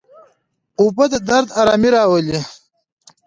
اوبه د درد آرامي راولي.